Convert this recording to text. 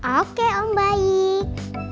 oke om baik